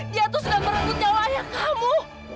bu jauh ayah kamu